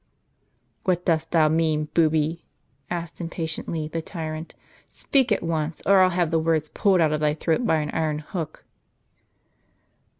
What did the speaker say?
"What dost thou mean, booby?" asked impatiently the tyrant. "Speak at once, or I'll have the words pulled out of thy throat by an iron hook."